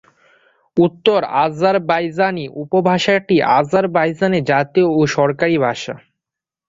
উত্তর আজারবাইজানি উপভাষাটি আজারবাইজানের জাতীয় ও সরকারি ভাষা।